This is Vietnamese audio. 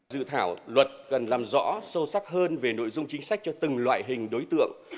dự thảo luật cần làm rõ sâu sắc hơn về nội dung chính sách cho từng loại hình đối tượng